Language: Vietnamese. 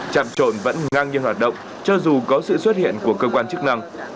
chạm trộn vẫn ngang như hoạt động cho dù có sự xuất hiện của cơ quan chức năng